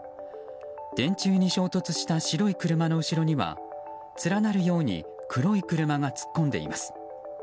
電柱に衝突した白い車の後ろには連なるように黒い車が突っ込んでいます。